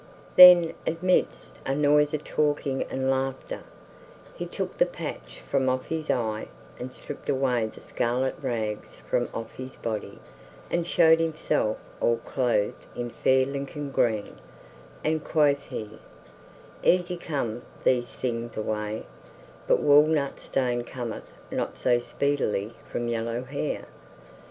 Then, amidst a noise of talking and laughter, he took the patch from off his eye and stripped away the scarlet rags from off his body and showed himself all clothed in fair Lincoln green; and quoth he, "Easy come these things away, but walnut stain cometh not so speedily from yellow hair."